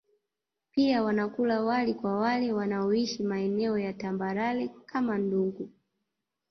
Pia wanakula wali kwa wale wanaoishi maeneo ya tambarare kama Ndungu